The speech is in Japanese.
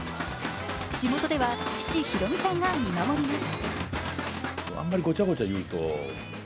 地元では父・博美さんが見守ります。